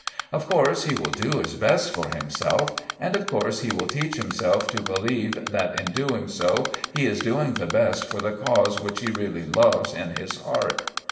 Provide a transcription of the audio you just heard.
Of course he will do his best for himself, and of course he will teach himself to believe that in doing so he is doing the best for the cause which he really loves in his heart.